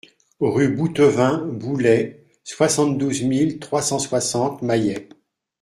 Rue Bouttevin Boullay, soixante-douze mille trois cent soixante Mayet